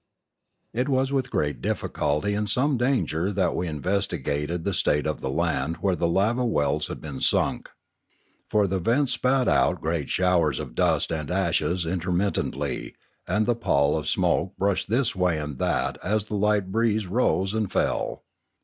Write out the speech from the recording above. It was with great difficulty and some danger that we investigated the state of the land where the lava wells had been sunk. For the vents spat out great showers of dust and ashes intermittently, and the pall of smoke brushed this way and that as the light breeze rose and fell.